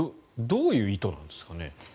どういう意図なんですかね？